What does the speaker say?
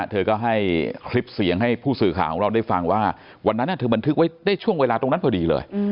เธอก็ให้คลิปเสียงให้ผู้สื่อข่าวของเราได้ฟังว่าวันนั้นเธอบันทึกไว้ได้ช่วงเวลาตรงนั้นพอดีเลย